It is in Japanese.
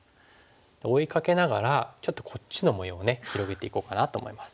追いかけながらちょっとこっちの模様をね広げていこうかなと思います。